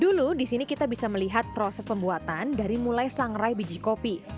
dulu di sini kita bisa melihat proses pembuatan dari mulai sangrai biji kopi